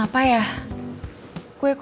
tetep jalan dulu aja